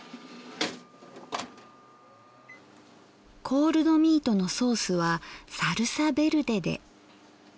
コールドミートのソースはサルサベルデで。